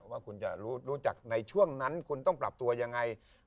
ว่าคุณจะรู้จักในช่วงนั้นคุณต้องปรับตัวยังไง